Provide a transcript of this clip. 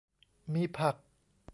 มีผัก